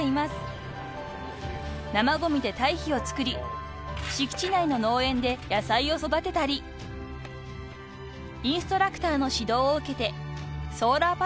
［生ごみで堆肥を作り敷地内の農園で野菜を育てたりインストラクターの指導を受けてソーラーパネルを設置したり］